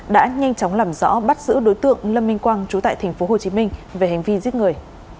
đã nhanh chóng làm rõ bắt giữ đối tượng lâm minh quang trú tại tp hcm về hành vi giết người